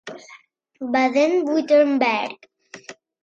Baden-Württemberg.